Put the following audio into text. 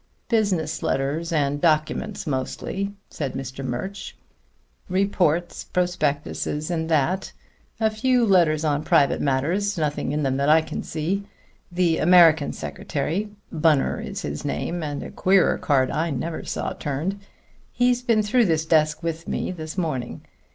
"Business letters and documents, mostly," said Mr. Murch. "Reports, prospectuses, and that. A few letters on private matters, nothing in them that I can see. The American secretary Bunner his name is, and a queerer card I never saw turned he's been through this desk with me this morning.